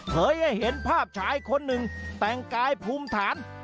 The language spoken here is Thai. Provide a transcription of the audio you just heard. เคยให้เห็นภาพชายคนหนึ่งแต่งกายภูมิฐาน